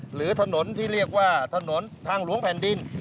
หรือถนนที่เรียกว่าถนนทางหลวงแผ่นดิน